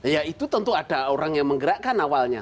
ya itu tentu ada orang yang menggerakkan awalnya